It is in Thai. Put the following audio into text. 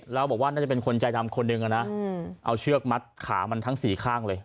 แล้วบอกว่าน่าจะเป็นคนใจดำคนหนึ่งนะเอาเชือกมัดขามันทั้งสี่ข้างเลย